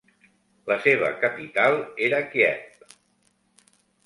La seva capital era Kíev.